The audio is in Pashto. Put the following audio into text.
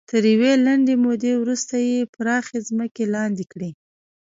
تر یوې لنډې مودې وروسته یې پراخې ځمکې لاندې کړې.